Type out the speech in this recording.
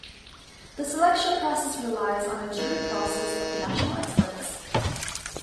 The selection process relies on a jury process of national experts.